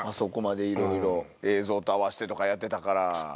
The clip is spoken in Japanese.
いろいろ映像と合わせてとかやってたから。